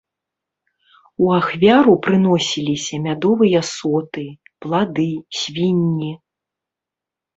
У ахвяру прыносіліся мядовыя соты, плады, свінні.